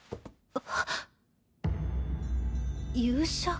あっ。